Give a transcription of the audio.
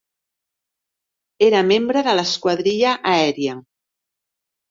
Era membre de l'esquadrilla aèria.